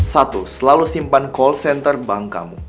satu selalu simpan call center bank kamu